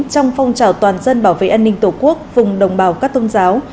trong phong trào toàn dân bảo vệ an ninh tổ quốc vùng đồng bào các tôn giáo